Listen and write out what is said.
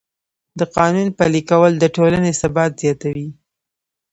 د قانون پلي کول د ټولنې ثبات زیاتوي.